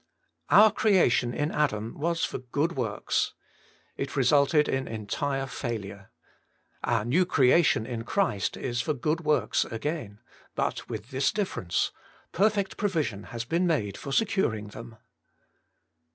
1. Our creation in Adam was for good works. It resuked in entire faihire. Our new creation in Christ is for good works again. But with this difference : perfect provision has been made for securing them.